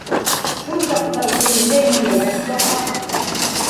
Шул саҡта үҙегеҙгә еңелерәк буласаҡ.